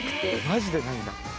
マジでないんだ。